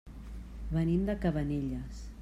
Venim de Cabanelles.